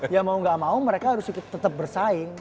ya mau nggak mau mereka harus tetap bersaing